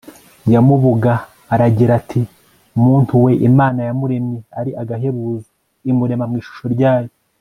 ya mubuga aragira ati muntu we imana yamuremye ari agahebuzo, imurema mu ishusho ryayo